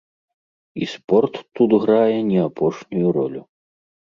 І спорт тут грае не апошнюю ролю.